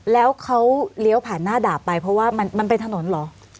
แล้วเขาเลี้ยวผ่านหน้าดาบไปเพราะว่ามันเป็นถนนเหรอ